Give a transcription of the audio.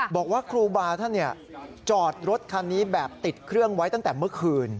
บอกว่าครูบาท่านจอดรถคันนี้แบบติดเครื่องไว้ตั้งแต่เมื่อคืน